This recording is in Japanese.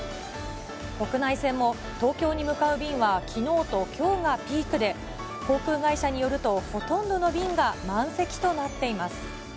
国内線も東京に向かう便はきのうときょうがピークで、航空会社によると、ほとんどの便が満席となっています。